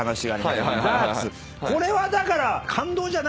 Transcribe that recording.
これはだから。